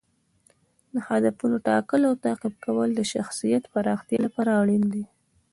د هدفونو ټاکل او تعقیب کول د شخصیت پراختیا لپاره اړین دي.